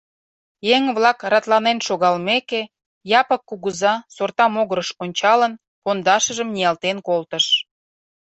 Еҥ-влак ратланен шогалмеке, Япык кугыза, сорта могырыш ончалын, пондашыжым ниялтен колтыш: